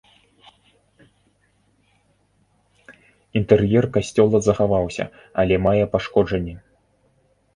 Інтэр'ер касцёла захаваўся, але мае пашкоджанні.